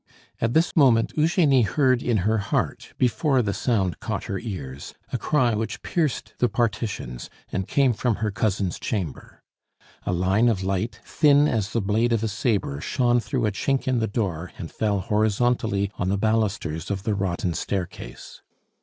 At this moment Eugenie heard in her heart, before the sound caught her ears, a cry which pierced the partitions and came from her cousin's chamber. A line of light, thin as the blade of a sabre, shone through a chink in the door and fell horizontally on the balusters of the rotten staircase.